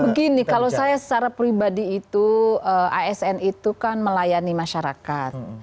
begini kalau saya secara pribadi itu asn itu kan melayani masyarakat